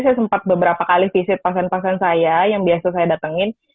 saya sempat beberapa kali visit pasien pasien saya yang biasa saya datengin